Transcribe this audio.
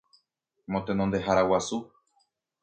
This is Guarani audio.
Motenondehára Guasu